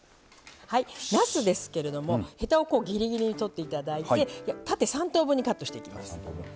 なすですけれどもヘタをぎりぎりに取っていただいて縦３等分にカットしていきます。